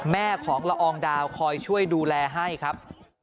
แม่ของละอองดาวคอยช่วยดูแลให้ครับ